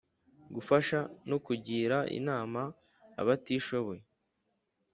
Gufasha no kugira inama abatishoboye